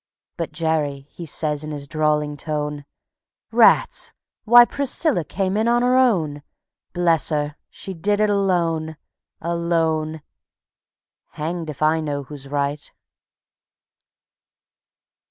But Jerry, he says in his drawling tone: "Rats! Why, Priscilla came in on her own. Bless her, she did it alone, alone. ..." _Hanged if I know who's right.